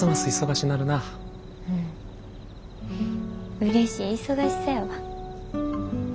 うれしい忙しさやわ。